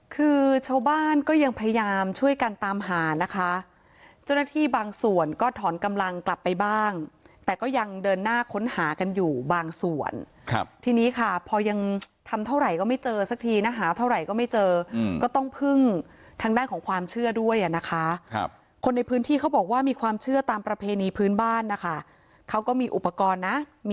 คือชาวบ้านก็ยังพยายามช่วยกันตามหานะคะเจ้าหน้าที่บางส่วนก็ถอนกำลังกลับไปบ้างแต่ก็ยังเดินหน้าค้นหากันอยู่บางส่วนครับทีนี้ค่ะพอยังทำเท่าไหร่ก็ไม่เจอสักทีนะหาเท่าไหร่ก็ไม่เจอก็ต้องพึ่งทางด้านของความเชื่อด้วยอ่ะนะคะครับคนในพื้นที่เขาบอกว่ามีความเชื่อตามประเพณีพื้นบ้านนะคะเขาก็มีอุปกรณ์นะมี